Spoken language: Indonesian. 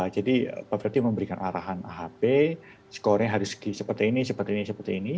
pak freddy memberikan arahan ahp skornya harus seperti ini seperti ini seperti ini